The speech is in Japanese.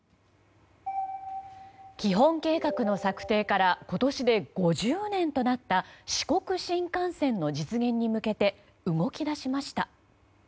基本計画の策定から今年で５０年となった四国新幹線の実現に向けて動き出しました。